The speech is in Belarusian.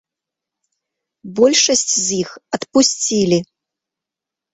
Большасць з іх адпусцілі.